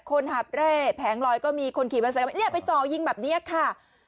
คนหับแร่แผงลอยก็มีคนขี่บันใสเนี้ยไปจ่อยิงแบบเนี้ยค่ะ